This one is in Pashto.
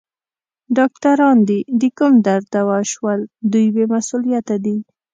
ډاکټران دي د کوم درد دوا شول؟ دوی بې مسؤلیته دي.